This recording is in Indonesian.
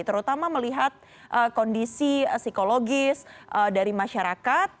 terutama melihat kondisi psikologis dari masyarakat